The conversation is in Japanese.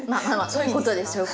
そういうことです。